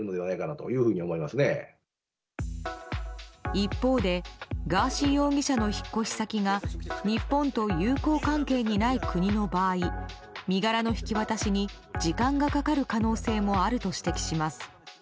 一方でガーシー容疑者の引っ越し先が日本と友好関係にない国の場合身柄の引き渡しに時間がかかる可能性もあると指摘します。